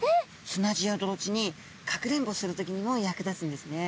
砂地や泥地にかくれんぼする時にも役立つんですね。